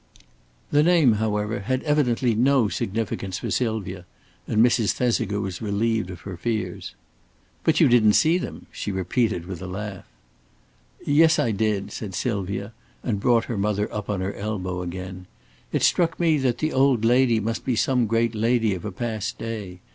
The name, however, had evidently no significance for Sylvia, and Mrs. Thesiger was relieved of her fears. "But you didn't see them," she repeated, with a laugh. "Yes, I did," said Sylvia, and brought her mother up on her elbow again. "It struck me that the old lady must be some great lady of a past day.